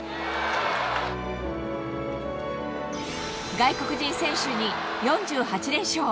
外国人選手に４８連勝。